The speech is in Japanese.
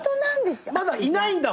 まだいないんだもん。